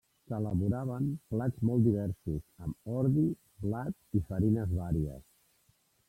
S'elaboraven plats molt diversos amb ordi, blat i farines vàries.